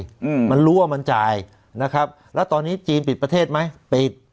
อืมมันรู้ว่ามันจ่ายนะครับแล้วตอนนี้จีนปิดประเทศไหมปิด